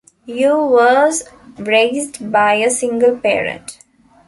Yoo was raised by a single parent.